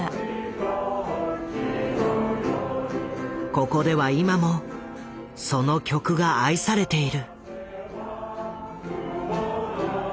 ここでは今もその曲が愛されている。